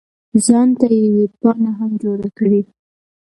ځان ته یې ویبپاڼه هم جوړه کړې.